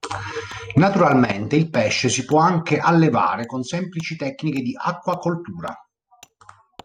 Naturalmente il pesce si può anche "allevare" con semplici tecniche di acquacoltura.